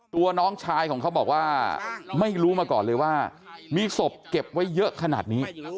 ตัวน้องชายของเขาบอกว่าไม่รู้มาก่อนเลยว่ามีศพเก็บไว้เยอะขนาดนี้